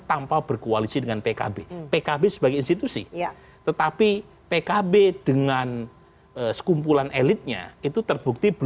tanpa berkoalisi dengan pkb pkb sebagai institusi tetapi pkb dengan sekumpulan elitnya itu terbukti